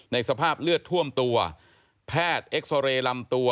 สภาพเลือดท่วมตัวแพทย์เอ็กซอเรย์ลำตัว